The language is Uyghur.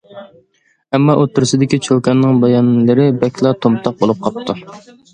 ئەمما ئوتتۇرىسىدىكى چوكاننىڭ بايانلىرى بەكلا تومتاق بولۇپ قاپتۇ.